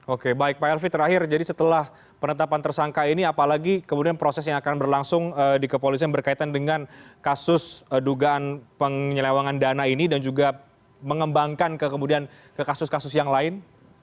oke baik pak elvi terakhir jadi setelah penetapan tersangka ini apalagi kemudian proses yang akan berlangsung di kepolisian berkaitan dengan kasus dugaan penyelewangan dana ini dan juga mengembangkan kemudian ke kasus kasus yang lain